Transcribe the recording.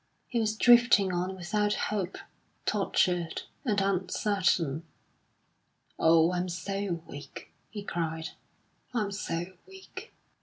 He was drifting on without hope, tortured and uncertain. "Oh, I'm so weak," he cried; "I'm so weak!"